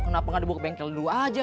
kenapa gak debuk bengkel dulu aja